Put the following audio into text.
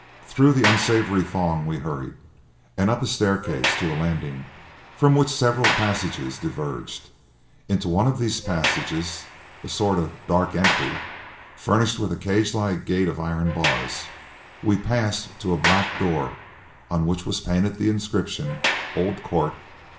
Through the unsavoury throng we hurried, and up a staircase to a landing from which several passages diverged. Into one of these passages a sort of "dark entry," furnished with a cage like gate of iron bars we passed to a black door, on which was painted the inscription, "Old Court.